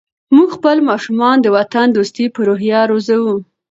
موږ خپل ماشومان د وطن دوستۍ په روحیه روزو.